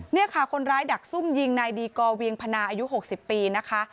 นี่ค่ะคนร้ายดักซุ่มยิงนายดีกอร์เวียงพนาอายุ๖๐ปีนะคะ